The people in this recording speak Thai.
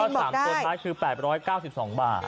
ยอด๓ตัวคือ๘๙๒บาท